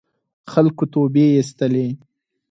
خلکو توبې اېستلې.